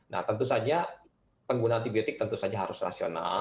nah tentu saja pengguna antibiotik harus rasional